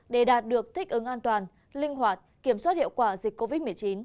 để đạt được thích ứng an toàn linh hoạt kiểm soát hiệu quả dịch covid một mươi chín